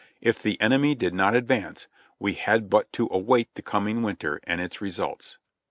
If the enemy did not advance, we had but to await the coming winter and its results.